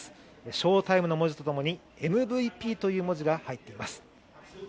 翔タイムの文字と共に「ＭＶＰ」の文字が入っています。